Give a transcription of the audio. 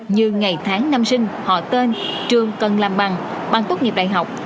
như ngày tháng năm sinh họ tên trường cần làm bằng bằng tốt nghiệp đại học